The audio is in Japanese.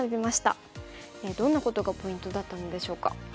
どんなことがポイントだったのでしょうか。